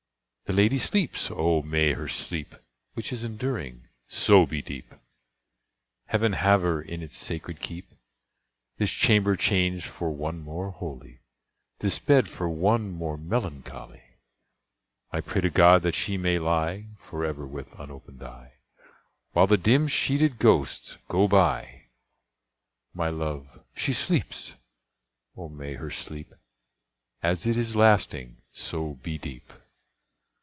The lady sleeps! Oh, may her sleep, Which is enduring, so be deep! Heaven have her in its sacred keep! This chamber changed for one more holy, This bed for one more melancholy, I pray to God that she may lie Forever with unopened eye, While the dim sheeted ghosts go by! My love, she sleeps! Oh, may her sleep, As it is lasting, so be deep!